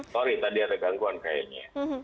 sorry tadi ada gangguan kayaknya